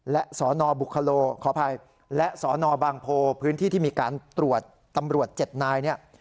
และสนบุคโลขออภัยและสนบางโพพื้นที่ที่มีการตรวจตำรวจ๗นายเนี่ย